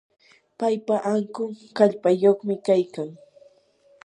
paypa ankun kallpayuqmi kaykan.